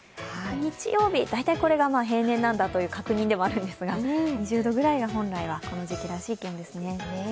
日曜日、だいたい、これが平年なんだという確認ですが２０度ぐらいが本来はこの時期らしい気温ですね。